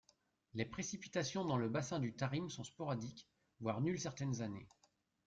Les précipitations dans le bassin du Tarim sont sporadiques, voire nulles certaines années.